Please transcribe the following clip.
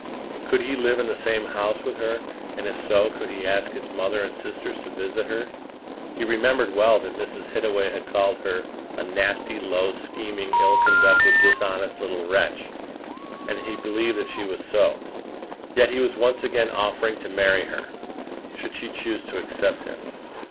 Could he live in the same house with her; and if so, could he ask his mother and sisters to visit her? He remembered well what Mrs. Hittaway had called her; a nasty, low, scheming, ill conducted, dishonest little wretch! And he believed that she was so! Yet he was once again offering to marry her, should she choose to accept him.